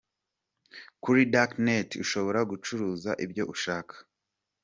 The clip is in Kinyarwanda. Kuri Dark Net ushobora gucuruza ibyo ushaka.